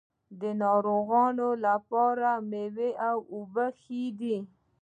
د ناروغانو لپاره د میوو اوبه ښې دي.